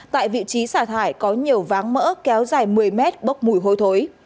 tại vị trí xả thải có nhiều váng mỡ kéo dài một mươi mét bốc mùi hôi thối